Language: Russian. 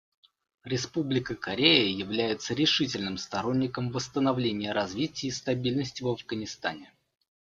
Республика Корея является решительным сторонником восстановления, развития и стабильности в Афганистане.